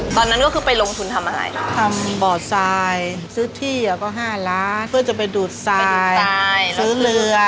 ตอนนั้นก็คือไปลงทุนทำอะไรทำบ่อทรายซื้อที่ก็๕ล้านเพื่อจะไปดูดทรายซื้อเรือ